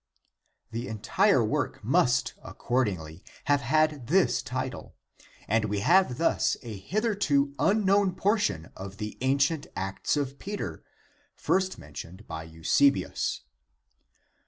The entire work must accordingly have had this title, and we have thus a hitherto unknown portion of the ancient Acts of Peter, first mentioned by Eusebius {Hist, eccles.